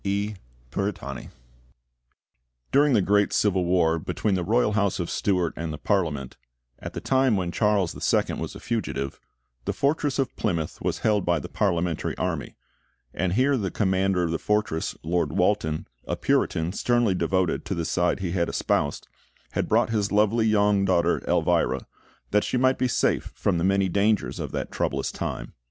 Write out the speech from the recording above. I PURITANI During the great Civil War between the royal House of Stuart and the Parliament, at the time when Charles the Second was a fugitive, the fortress of Plymouth was held by the Parliamentary Army; and here the commander of the fortress, Lord Walton, a Puritan sternly devoted to the side he had espoused, had brought his lovely young daughter, Elvira, that she might be safe from the many dangers of that troublous time.